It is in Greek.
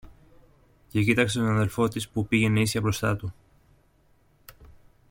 και κοίταξε τον αδελφό της που πήγαινε ίσια μπροστά του